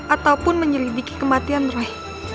ataupun menyelidiki kematian roy